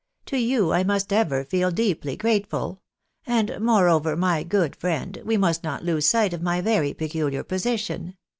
" To you I must ever feel deeply grateful ; and moreover, my good friend, we must not lose sight of my very peculiar position.